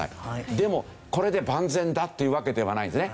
でもこれで万全だっていうわけではないんですね。